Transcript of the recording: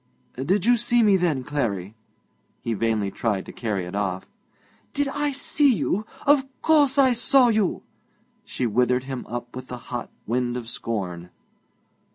'Did you see me, then, Clarry?' He vainly tried to carry it off. 'Did I see you? Of course I saw you!' She withered him up with the hot wind of scorn.